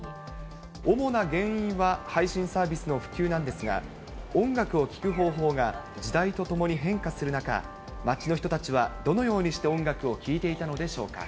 主な原因は配信サービスの普及なんですが、音楽を聴く方法が時代とともに変化する中、街の人たちはどのようにして音楽を聴いていたのでしょうか。